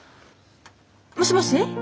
もしもし？